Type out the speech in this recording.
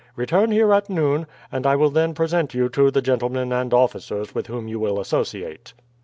Return here at noon, and I will then present you to the gentlemen and officers with whom you will associate."